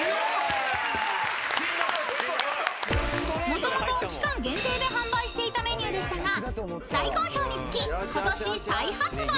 ［もともと期間限定で販売していたメニューでしたが大好評につき今年再発売］